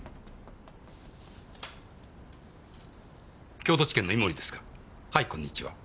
京都地検の井森ですがはいこんにちは。